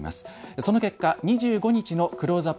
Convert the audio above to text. その結果、２５日のクローズアップ